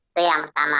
itu yang pertama